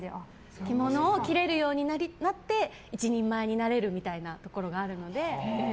着物を着れるようになって一人前になれるみたいなところがあるので。